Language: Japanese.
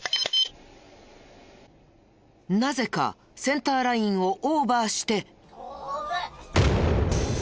なぜかセンターラインをオーバーして。